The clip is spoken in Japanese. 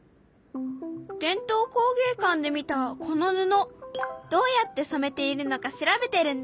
伝統工芸館で見たこの布どうやってそめているのか調べてるんだ。